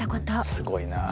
すごいな。